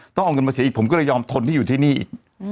ต้องเอาเงินมาเสียอีกผมก็เลยยอมทนที่อยู่ที่นี่อีก